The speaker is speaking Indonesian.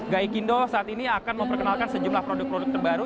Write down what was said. gaikindo saat ini akan memperkenalkan sejumlah produk produk terbaru